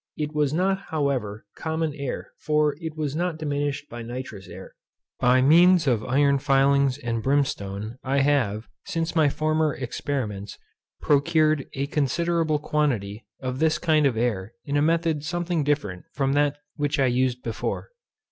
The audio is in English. It was not, however, common air, for it was not diminished by nitrous air. By means of iron filings and brimstone I have, since my former experiments, procured a considerable quantity of this kind of air in a method something different from that which I used before.